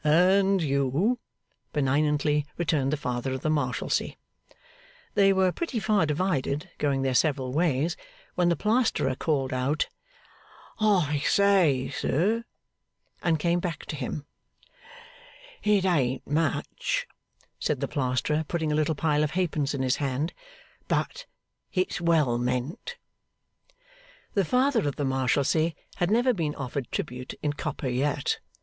'And you,' benignantly returned the Father of the Marshalsea. They were pretty far divided, going their several ways, when the Plasterer called out, 'I say! sir!' and came back to him. 'It ain't much,' said the Plasterer, putting a little pile of halfpence in his hand, 'but it's well meant.' The Father of the Marshalsea had never been offered tribute in copper yet.